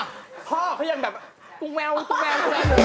พ่อเขายังแบบปุ๊กแมวปุ๊กแมวปุ๊กแมว